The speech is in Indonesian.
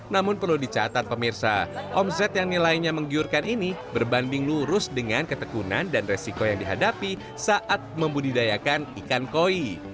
namun perlu dicatat pemirsa omset yang nilainya menggiurkan ini berbanding lurus dengan ketekunan dan resiko yang dihadapi saat membudidayakan ikan koi